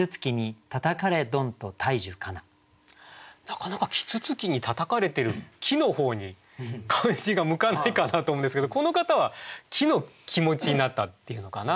なかなか啄木鳥にたたかれてる木の方に関心が向かないかなと思うんですけどこの方は木の気持ちになったっていうのかな。